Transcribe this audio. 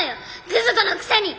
グズ子のくせに！